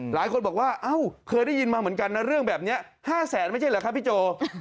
หลายคนบอกว่าเอ้าเคยได้ยินมาเหมือนกันนะเรื่องแบบนี้๕แสนไม่ใช่เหรอครับพี่โจ